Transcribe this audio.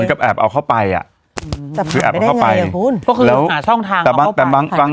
ก็คือช่องทางเอาเข้าไป